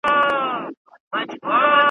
له کورنۍ څخه يم